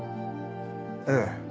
ええ。